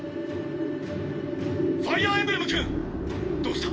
ファイヤーエンブレム君⁉どうした！